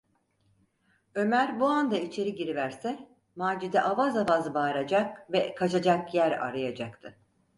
Ömer bu anda içeri giriverse Macide avaz avaz bağıracak ve kaçacak yer arayacaktı.